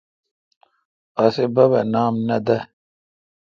اسی بب اے نام نہ دے۔